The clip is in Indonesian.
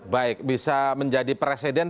baik bisa menjadi presiden